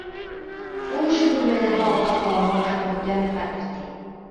Ул ошо бүлмәләге алдаҡ һауаны ашап бөтәм хәҙер, ти.